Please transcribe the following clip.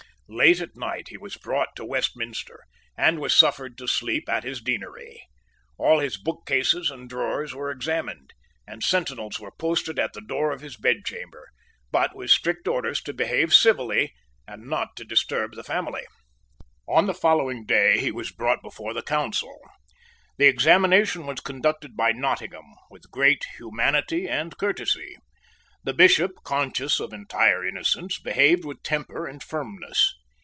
Late at night he was brought to Westminster, and was suffered to sleep at his deanery. All his bookcases and drawers were examined; and sentinels were posted at the door of his bedchamber, but with strict orders to behave civilly and not to disturb the family. On the following day he was brought before the Council. The examination was conducted by Nottingham with great humanity and courtesy. The Bishop, conscious of entire innocence, behaved with temper and firmness.